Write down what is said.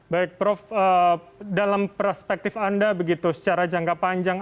baik prof dalam perspektif anda begitu secara jangka panjang